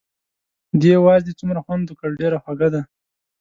دې وازدې څومره خوند وکړ، ډېره خوږه ده.